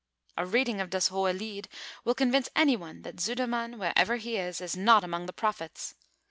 A reading of Das hohe Lied will convince anyone that Sudermann, wherever he is, is not among the prophets.